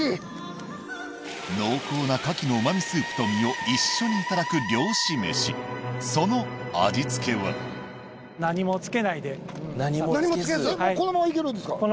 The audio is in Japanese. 濃厚な牡蠣の旨味スープと身を一緒にいただく漁師飯その味付けは何もつけずこのままいけるんですか？